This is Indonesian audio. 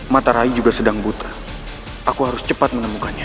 mata rai juga sedang buta aku harus cepat menemukannya